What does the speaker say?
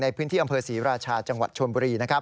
ในพื้นที่อำเภอศรีราชาจังหวัดชนบุรี